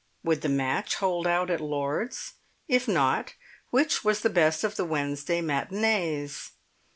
Would the match hold out at Lord's? If not, which was the best of the Wednesday matinees?